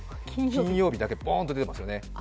金曜日だけボーンと出てますよね。